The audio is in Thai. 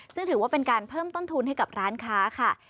ซึ่งถือว่าเป็นการเพิ่มต้นทุนให้กับร้านค้าค่ะ